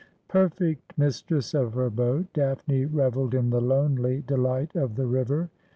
Perfect mistress of her boat, Daphne revelled in the lonely delight of the river.